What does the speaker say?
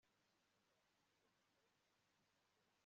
imyanyandangagitsina, ubu uburyo bwose